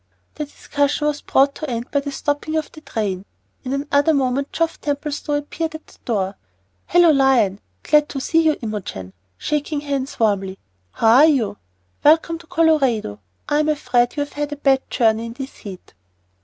The discussion was brought to end by the stopping of the train. In another moment Geoff Templestowe appeared at the door. "Hallo, Lion! glad to see you. Imogen," shaking hands warmly, "how are you? Welcome to Colorado. I'm afraid you've had a bad journey in this heat."